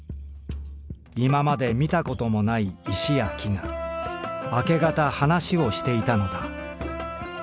今までみたこともない石や木が明け方話をしていたのだ」。